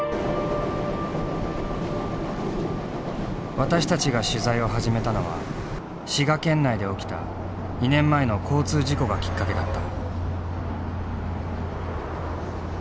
私たちが取材を始めたのは滋賀県内で起きた２年前の交通事故がきっかけだった。